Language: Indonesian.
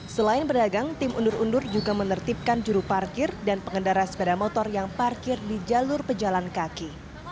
selain pedagang tim undur undur juga menertibkan juru parkir dan pengendara sepeda motor yang parkir di jalur pejalan kaki